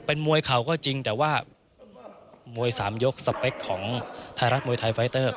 เป็นมวยเข่าก็จริงแต่ว่ามวย๓ยกสเปคของไทยรัฐมวยไทยไฟเตอร์